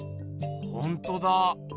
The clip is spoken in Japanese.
ほんとだ。